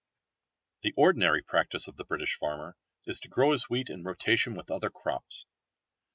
The ordinary practice of the British farmer is to grow his wheat in rotation with other crops.